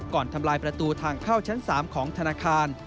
ทำลายประตูทางเข้าชั้น๓ของธนาคาร